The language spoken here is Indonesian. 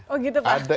oh gitu pak